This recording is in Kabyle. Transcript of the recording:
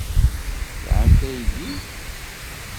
Tesɛamt aydi?